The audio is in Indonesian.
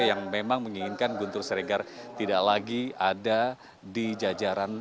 yang memang menginginkan guntur seregar tidak lagi ada di jajaran